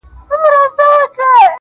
سیاه پوسي ده، ژوند تفسیرېږي~